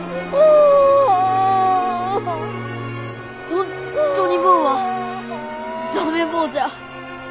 本当に坊は駄目坊じゃ。